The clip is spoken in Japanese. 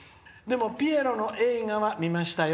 ピエロの映画は見ましたよ。